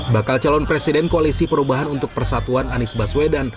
bakal calon presiden koalisi perubahan untuk persatuan anies baswedan